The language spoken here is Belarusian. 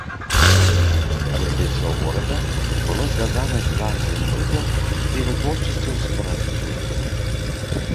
Развіццё горада было звязана з гандлем быдлам і вытворчасцю скураных вырабаў.